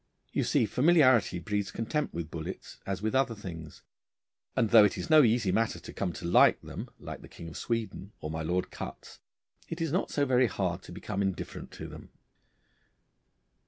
You see familiarity breeds contempt with bullets as with other things, and though it is no easy matter to come to like them, like the King of Sweden or my Lord Cutts, it is not so very hard to become indifferent to them.